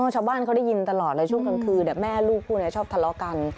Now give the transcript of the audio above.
อ๋อชาวบ้านเค้าได้ยินตลอดเนี่ยช่วงกลางคืนแม่ลูคพี่เนี่ยชอบทะเลาะกัน